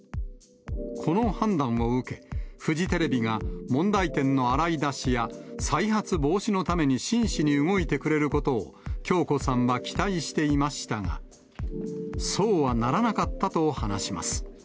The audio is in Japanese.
この判断を受け、フジテレビが問題点の洗い出しや再発防止のために真摯に動いてくれることを響子さんは期待していましたが、そうはならなかったと話します。